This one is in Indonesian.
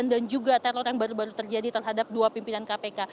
dan juga teror yang baru baru terjadi terhadap dua pimpinan kpk